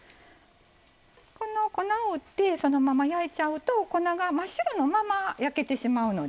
粉を打ってそのまま焼いちゃうと粉が真っ白のまま焼けてしまうのでね